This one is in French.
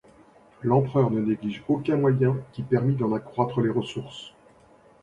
L'Empereur ne néglige aucun moyen qui permît d'en accroître les ressources.